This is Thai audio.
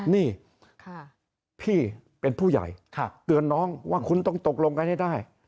นี่พี่เป็นผู้ใหญ่เตือนน้องว่าคุณต้องตกลงกันให้ได้